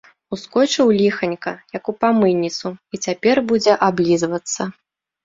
Ускочыў, ліханька, як у памыйніцу, і цяпер будзе аблізвацца.